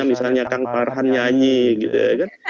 misalnya kang farhan nyanyi gitu ya kan